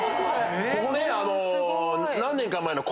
ここね何年か前の。